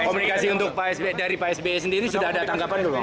komunikasi dari pak sp sendiri sudah ada tanggapan